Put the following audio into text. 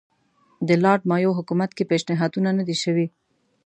د لارډ مایو حکومت کې پېشنهادونه نه دي شوي.